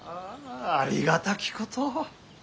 ありがたきこと。